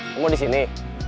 kamu di sini